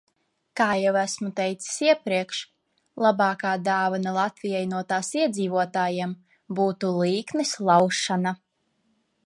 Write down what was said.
Kā jau esmu teicis iepriekš, labākā dāvana Latvijai no tās iedzīvotājiem būtu līknes laušana.